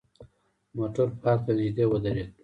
موټر پارک ته نژدې ودرید.